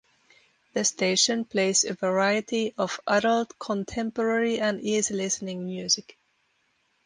The station plays a variety of adult contemporary and easy listening music.